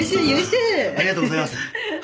ありがとうございます。